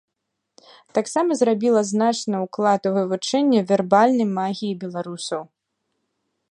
Таксама зрабіла значны ўклад у вывучэнне вербальнай магіі беларусаў.